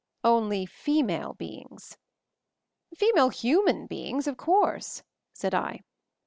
"Only female beings." "Female human beings, of course," said I.